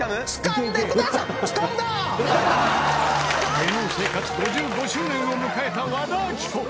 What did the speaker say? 芸能生活５５周年を迎えた和田アキ子。